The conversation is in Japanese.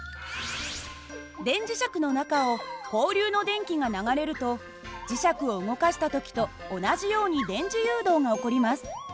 電磁石の中を交流の電気が流れると磁石を動かした時と同じように電磁誘導が起こります。